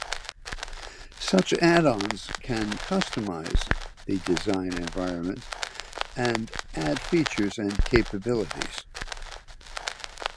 Such add-ons can customize the design environment and add features and capabilities.